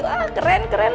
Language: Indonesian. wah keren keren mas